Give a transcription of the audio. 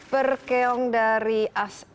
perkeong maksud saya